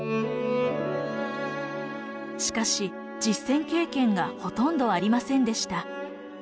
しかし実戦経験がほとんどありませんでした。